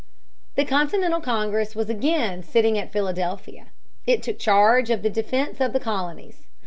The Continental Congress was again sitting at Philadelphia. It took charge of the defense of the colonies.